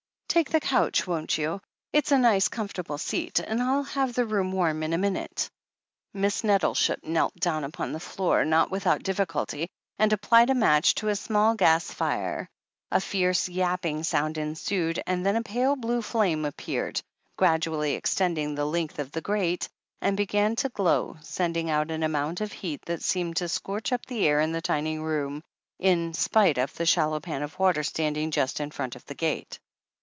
'* "Take the couch, won't you? It's a nice, comfort able seat, and I'll have the room warm in a minute." Miss Nettleship knelt down upon the floor, not with out difficulty, and applied a match to the small gas fire. A fierce, yapping sound ensued, and then a pale blue flame appeared, gradually extending the length of the grate, and began to glow, sending out an amotmt of heat that seemed to scorch up the air in the tiny room, in spite of the shallow pan of water standing just in front of the grate.